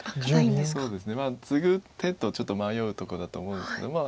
そうですねツグ手とちょっと迷うとこだと思うんですけど。